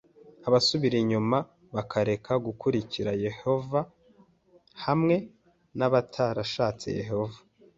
abasubira inyuma bakareka gukurikira Yehova h hamwe n abatarashatse Yehova